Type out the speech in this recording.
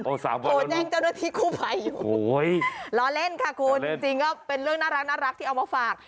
โอ้ย๓วันแล้วนึงโอ้ยร้อนเล่นค่ะคุณจริงก็เป็นเรื่องน่ารักที่เอามาฝาก